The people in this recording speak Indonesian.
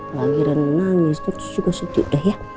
lagi rena nangis terus juga sedih udah ya